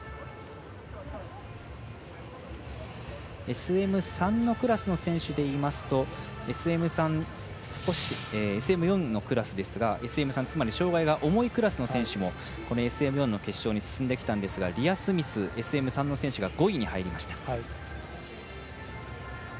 ＳＭ３のクラスの選手で言いますとＳＭ４のクラスの選手ですが障がいが重いクラスの選手もＳＭ４の決勝進んできたんですがリア・スミス、ＳＭ３の選手が５位に入りました。